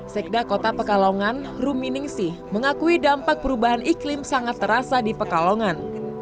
sekda kota pekalongan ruminingsih mengakui dampak perubahan iklim sangat terasa di pekalongan